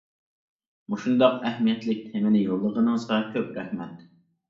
مۇشۇنداق ئەھمىيەتلىك تېمىنى يوللىغىنىڭىزغا كۆپ رەھمەت.